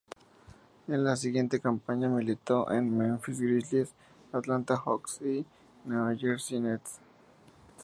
En la siguiente campaña militó en Memphis Grizzlies, Atlanta Hawks y New Jersey Nets.